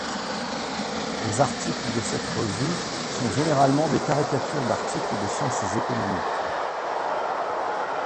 Les articles de cette revue sont généralement des caricatures d'articles des sciences économiques.